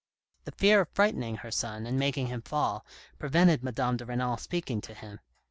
The fear of frightening her son and making him fall prevented Madame de Renal speaking to him.